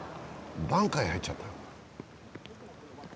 バンカーに入っちゃった。